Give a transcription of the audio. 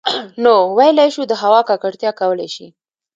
نـو ٫ويلـی شـوو د هـوا ککـړتـيا کـولی شـي